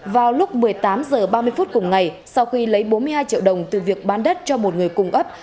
vào lúc một mươi tám h ba mươi phút cùng ngày sau khi lấy bốn mươi hai triệu đồng từ việc bán đất cho một người cùng ấp